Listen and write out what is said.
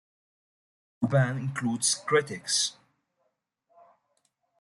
The ban includes kreteks.